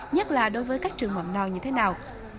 nhất là đối với các trường mầm non như thế nào